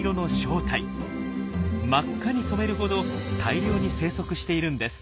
真っ赤に染めるほど大量に生息しているんです。